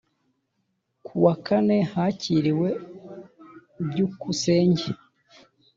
Ku wa kane Hakiriwe Byukusenge